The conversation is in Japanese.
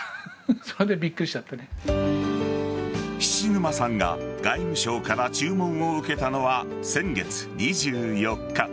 菱沼さんが外務省から注文を受けたのは先月２４日。